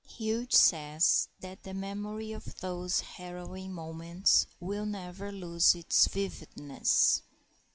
Hugh says that the memory of those harrowing moments will never lose its vividness.